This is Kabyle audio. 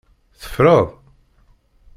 Teffreḍ?